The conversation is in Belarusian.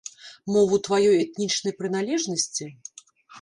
Мову тваёй этнічнай прыналежнасці?